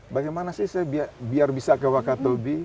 bagaimana sih biar bisa ke wakatulbi